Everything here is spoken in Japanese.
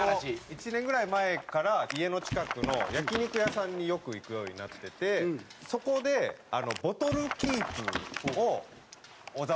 １年ぐらい前から家の近くの焼き肉屋さんによく行くようになっててそこでボトルキープを小沢さんがされてるんですけども。